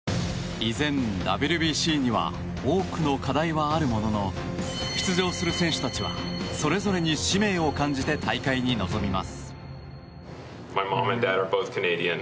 依然、ＷＢＣには多くの課題はあるものの出場する選手たちはそれぞれに使命を感じて大会に臨みます。